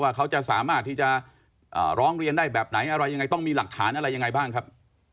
เขาจะสามารถที่จะร้องเรียนได้แบบไหนอะไรยังไงต้องมีหลักฐานอะไรยังไงบ้างครับ